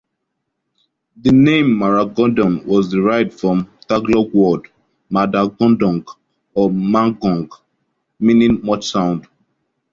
The name Maragondon was derived from Tagalog word madagundong or maugong, meaning much sound.